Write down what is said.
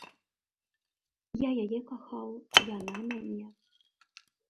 Я яе кахаў, яна мяне.